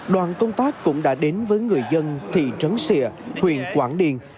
đoàn công tác cũng đã đến với người dân thị trấn xịa huyện quảng điền